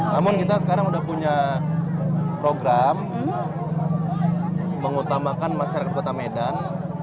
namun kita sekarang sudah punya program mengutamakan masyarakat kota medan